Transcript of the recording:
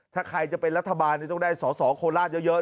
ถ้าใครจะเป็นรัฐบาลต้องได้สอสอโคราชเยอะ